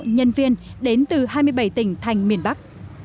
nhân viên đến từ hai mươi bảy tỉnh thành miền bắc